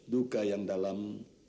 duka yang dalam